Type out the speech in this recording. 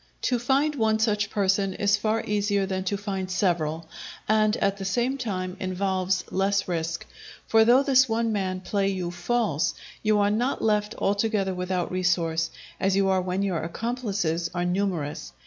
To find one such person is far easier than to find several, and, at the same time, involves less risk; for though this one man play you false, you are not left altogether without resource, as you are when your accomplices are numerous.